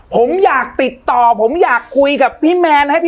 ผมอยากติดต่อผมอยากคุยกับพี่แมนให้พี่